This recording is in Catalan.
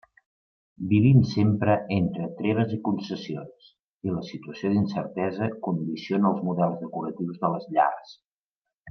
Vivim sempre entre treves i concessions, i la situació d'incertesa condiciona els models decoratius de les llars.